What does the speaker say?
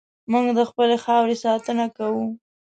موږ د خپلې خاورې ساتنه کوو.